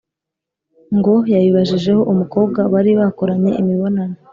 Ngo yabibajijeho umukobwa bari bakoranye imibonano,